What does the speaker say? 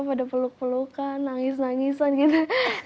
pada peluk pelukan nangis nangisan gitu